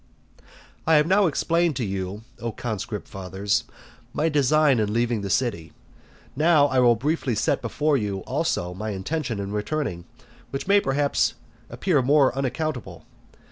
III. I have now explained to you, O conscript fathers, my design in leaving the city. Now I will briefly set before you, also, my intention in returning, which may perhaps appear more unaccountable.